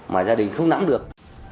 mà gia đình không nắm được